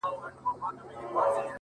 د چا خبرو ته به غوږ نه نيسو _